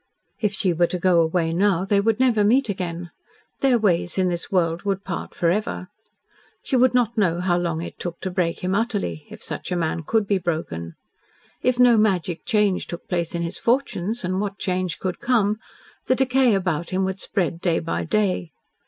If she were to go away now, they would never meet again. Their ways in this world would part forever. She would not know how long it took to break him utterly if such a man could be broken. If no magic change took place in his fortunes and what change could come? the decay about him would spread day by day.